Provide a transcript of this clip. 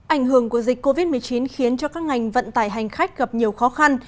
ảnh hưởng của dịch covid một mươi chín khiến cho các ngành vận tải hành khách gặp nhiều khó khăn